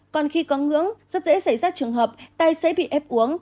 còn khi có ngưỡng rất dễ xảy ra trường hợp tài xế bị ép uống